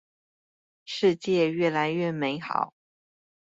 世界越來越美好